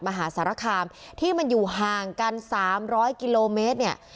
มหาสารคามที่มันอยู่ห่างกัน๓๐๐กิโลเมตรเนี่ย